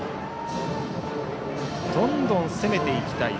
どんどん攻めていきたい。